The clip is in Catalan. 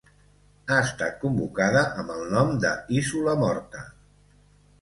Ha estat convocada amb el nom de ‘Isula morta’.